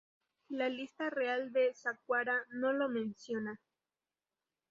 La lista Real de Saqqara no lo menciona.